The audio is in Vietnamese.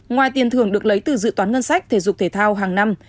ngoài tiền thưởng được lấy từ dự toán ngân sách thể dục thể thao hàng năm